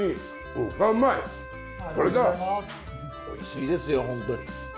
おいしいですよホントに。